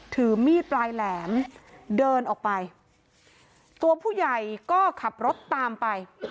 ถือมีดปลายแหลมเดินออกไปตัวผู้ใหญ่ก็ขับรถตามไป